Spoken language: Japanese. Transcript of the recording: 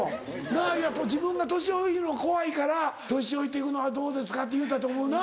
なぁいや自分が年老うの怖いから「年老いて行くのはどうですか？」って言うたと思うな。